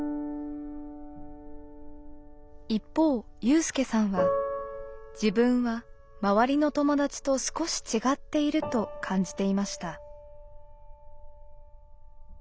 一方有さんは自分は周りの友達と少し違っていると感じていました。